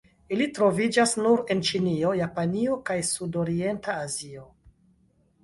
Ili troviĝas nur en Ĉinio, Japanio, kaj Sudorienta Azio.